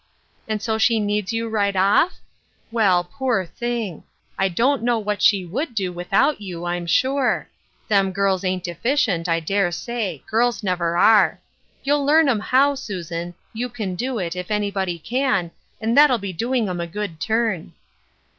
And so she needs you right off? Well, poor thing I I don't know what she ivould do with out you, I'm sure. Them girls ain't efficient, I dare say ; girls never are. You learn 'em how, Susan; you can do it, if anybody can, and that'll be doing 'em a good turn."